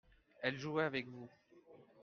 elle jouait avec vous.